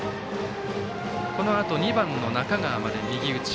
このあと、２番の中川まで右打ち。